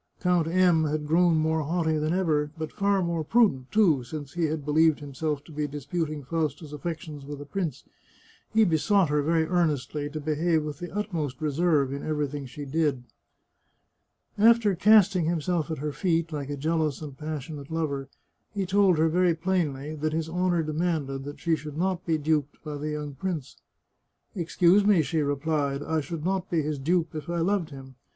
Count M had grown more haughty than ev6r, but far more prudent, too, since he had believed himself to be disputing Fausta's affections with a prince. He besought her very earnestly to behave with the utmost reserve in everything she did. After casting himself at her feet, like a jealous and pas sionate lover, he told her very plainly that his honour de manded that she should not be duped by the young prince. " Excuse me," she replied. " I should not be his dupe if I loved him.